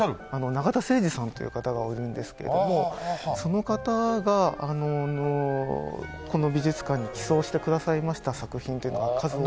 永田生慈さんという方がいるんですけれどもその方がこの美術館に寄贈してくださいました作品というのが数多く。